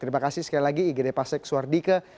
terima kasih sekali lagi igd pasek suardike